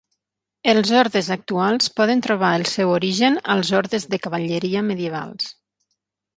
Els ordes actuals poden trobar el seu origen als Ordes de cavalleria medievals.